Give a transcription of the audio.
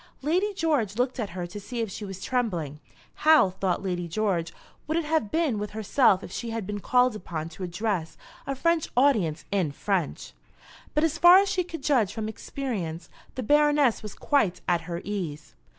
Lady George looked at her to see if she was trembling. How, thought Lady George, would it have been with herself if she had been called upon to address a French audience in French! But as far as she could judge from experience, the Baroness was quite at her ease.